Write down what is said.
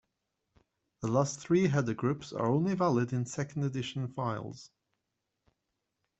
The last three header groups are only valid in second edition files.